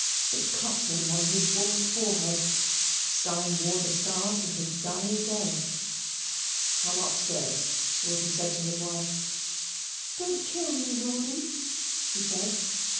It cut him on his bald forehead. Steyne wore the scar to his dying day. "Come upstairs," Rawdon said to his wife. "Don't kill me, Rawdon," she said.